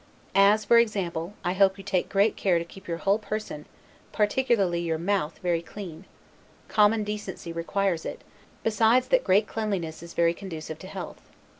As, for example, I hope you take great care to keep your whole person, particularly your mouth, very clean; common decency requires it, besides that great cleanliness is very conducive to health.